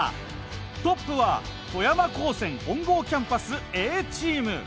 トップは富山高専本郷キャンパスＡチーム。